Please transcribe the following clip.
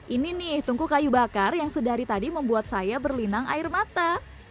ini nih tungku kayu bakar yang sedari tadi membuat saya berlinang air mata